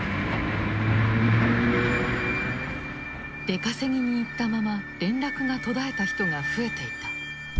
出稼ぎに行ったまま連絡が途絶えた人が増えていた。